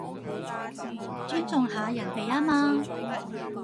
尊重下人哋吖嘛